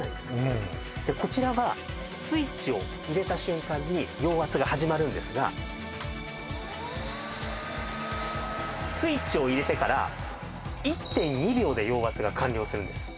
うんこちらはスイッチを入れた瞬間に陽圧が始まるんですがスイッチを入れてから１．２秒で陽圧が完了するんです